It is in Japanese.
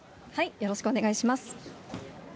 よろしくお願いします。